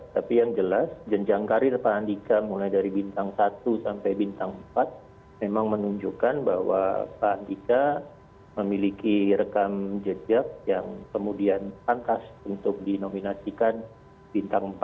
tapi yang jelas jenjang karir pak andika mulai dari bintang satu sampai bintang empat memang menunjukkan bahwa pak andika memiliki rekam jejak yang kemudian pangkas untuk dinominasikan bintang empat